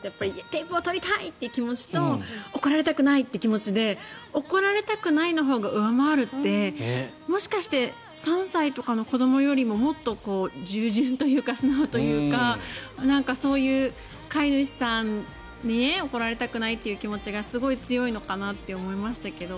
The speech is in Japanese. テープを取りたい！っていう気持ちと怒られたくないという気持ちで怒られたくないのほうが上回るって、もしかして３歳とかの子どもよりももっと従順というか素直というかそういう飼い主さんに怒られたくないという気持ちがすごい強いのかなって思いましたけど。